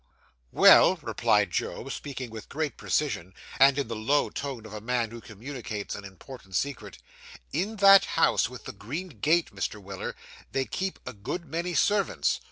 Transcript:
'Well,' replied Job, speaking with great precision, and in the low tone of a man who communicates an important secret; 'in that house with the green gate, Mr. Weller, they keep a good many servants.